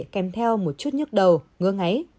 kèm theo một chút nhức đầu ngứa ngáy